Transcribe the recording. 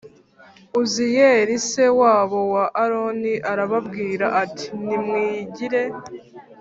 Uziyeli se wabo wa aroni arababwira ati nimwigire